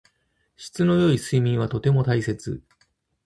質の良い睡眠はとても大切。